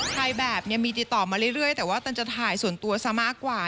ถ่ายแบบเนี่ยมีติดต่อมาเรื่อยแต่ว่าตันจะถ่ายส่วนตัวซะมากกว่า